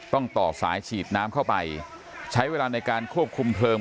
ต่อสายฉีดน้ำเข้าไปใช้เวลาในการควบคุมเพลิง